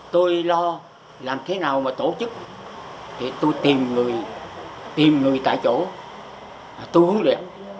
tôi lo làm thế nào mà tổ chức thì tôi tìm người tìm người tại chỗ tôi hướng đi